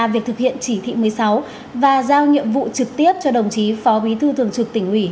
việc thực hiện chỉ thị một mươi sáu và giao nhiệm vụ trực tiếp cho đồng chí phó bí thư thường trực tỉnh ủy